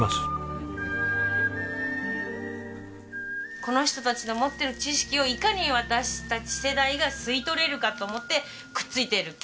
この人たちの持ってる知識をいかに私たち世代が吸い取れるかと思ってくっついてる。